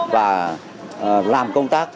và làm công tác